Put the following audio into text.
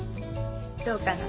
どうかな？